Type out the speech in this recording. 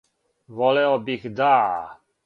Волео бих, да.